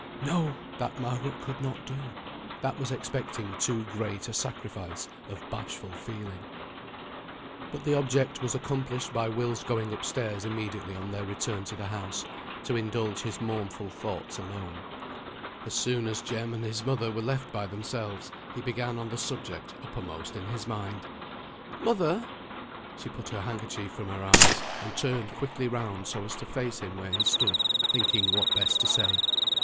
No! that Margaret could not do. That was expecting too great a sacrifice of bashful feeling. But the object was accomplished by Will's going up stairs immediately on their return to the house, to indulge his mournful thoughts alone. As soon as Jem and his mother were left by themselves, he began on the subject uppermost in his mind. "Mother!" She put her handkerchief from her eyes, and turned quickly round so as to face him where he stood, thinking what best to say.